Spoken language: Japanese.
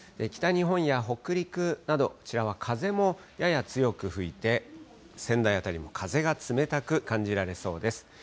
北日本や北陸など、こちらは風もやや強く吹いて、仙台辺りも風が冷たく感じられそうです。